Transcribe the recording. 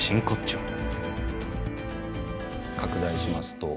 拡大しますと。